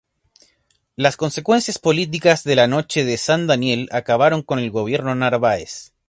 Las consecuencias políticas de la "Noche de San Daniel" acabaron con el gobierno Narváez.